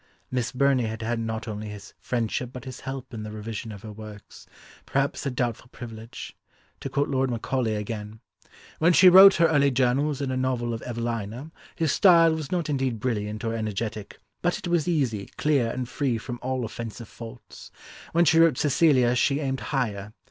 Miss Burney had had not only his friendship but his help in the revision of her works—perhaps a doubtful privilege. To quote Lord Macaulay again: "When she wrote her early journals, and her novel of Evelina, her style was not indeed brilliant or energetic; but it was easy, clear, and free from all offensive faults. When she wrote Cecilia she aimed higher.